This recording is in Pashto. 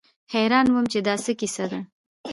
حيران وم چې دا څه کيسه ده.